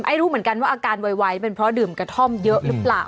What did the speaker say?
ไม่รู้เหมือนกันว่าอาการไวเป็นเพราะดื่มกระท่อมเยอะหรือเปล่า